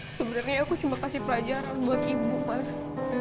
sebenarnya aku cuma kasih pelajaran buat ibu mas